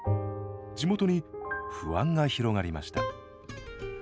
地元に不安が広がりました。